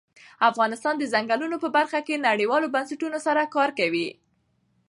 افغانستان د ځنګلونه په برخه کې نړیوالو بنسټونو سره کار کوي.